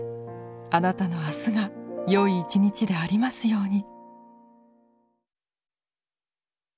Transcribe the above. あなたの明日が良い１日でありますように。